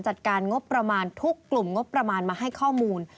จัดการงบประมาณทุกกลุ่มงบประมาณมาให้ข้อมูล